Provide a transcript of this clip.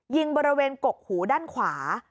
ยิงบริเวณกกหูด้านขวา